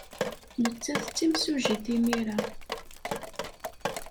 Nettat d timsujjit imir-a.